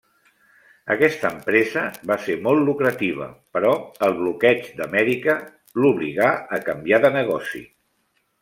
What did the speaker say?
Aquesta empresa va ser molt lucrativa però el bloqueig d'Amèrica l'obligà a canviar de negoci.